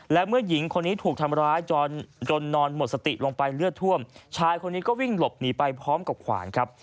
และเมื่อหญิงคนนี้ถูกทำร้ายจนจนนอนหมดสติลงไปเลือดท่วมชายคนนี้ก็วิ่งหลบหนีไปพร้อมกับขวานครับ